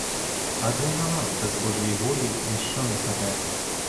Адже й на нас без божої волі ніщо не паде.